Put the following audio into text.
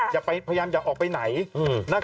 อย่าไปพยายามออกไปไหน